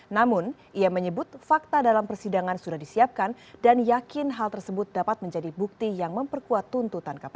namun ia menyebut fakta dalam persidangan sudah disiapkan dan yakin hal tersebut dapat menjadi bukti yang memperkuat tuntutan kpk